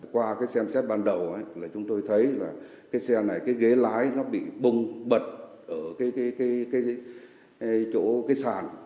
qua cái xem xét ban đầu là chúng tôi thấy là cái xe này cái ghế lái nó bị bong bật ở cái chỗ cái sàn